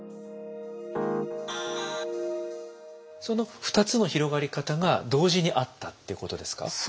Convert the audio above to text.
その２つの広がり方が同時にあったっていうことですか。